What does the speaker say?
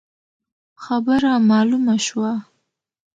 خبره مالومه شوه.